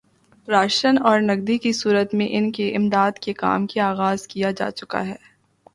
ration اور نقدی کی صورت میں ان کی امداد کے کام کا آغاز کیا جا چکا ہے